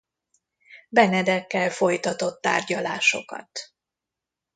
Benedekkel folytatott tárgyalásokat.